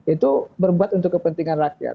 itu berbuat untuk kepentingan rakyat